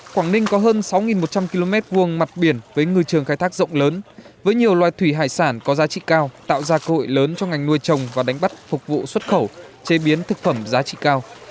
quảng ninh có hơn sáu một trăm linh km hai mặt biển với ngư trường khai thác rộng lớn với nhiều loài thủy hải sản có giá trị cao tạo ra cơ hội lớn cho ngành nuôi trồng và đánh bắt phục vụ xuất khẩu chế biến thực phẩm giá trị cao